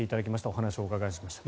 お話をお伺いしました